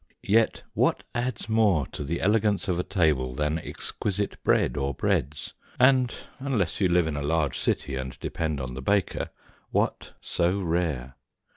Yet what adds more to the elegance of a table than exquisite bread or breads, and unless you live in a large city and depend on the baker what so rare?